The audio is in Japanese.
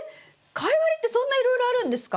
カイワレってそんないろいろあるんですか？